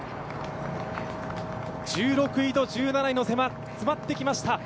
１６位と１７位の差詰まってきました。